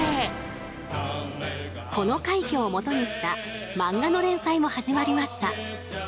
この快挙をもとにした漫画の連載も始まりました。